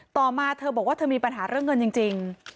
ต่อมาเธอบอกว่าเธอมีปัญหาเรื่องเงินจริง